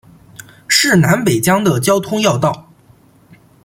是南北疆的交通要道。